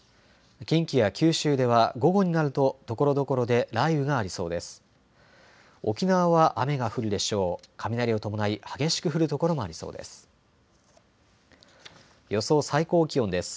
近畿や九州では午後になるとところどころで雷雨がありそうです。